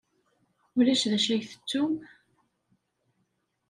Ulac d acu ay tettum?